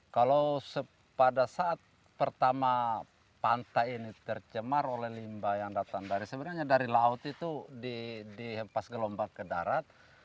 kalau pada saat pertama pantai ini tercemar oleh limbah yang datang dari sebenarnya dari laut itu dihempas gelombang ke darat